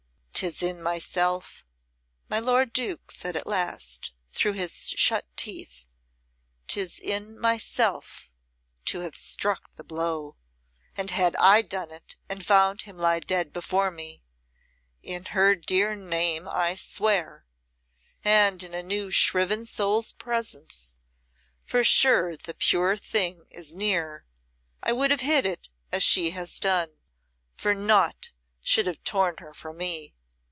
"'Tis in myself," my lord Duke said at last, through his shut teeth, "'tis in myself to have struck the blow, and had I done it and found him lie dead before me in her dear name I swear, and in a new shriven soul's presence, for sure the pure thing is near I would have hid it as she has done; for naught should have torn her from me!